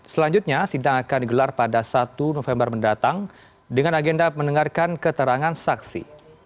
selanjutnya sidang akan digelar pada satu november mendatang dengan agenda mendengarkan keterangan saksi